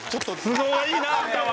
都合がいいなあんたは。